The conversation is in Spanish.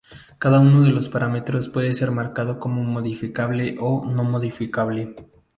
Cada uno de los parámetros puede ser marcado como modificable o no-modificable.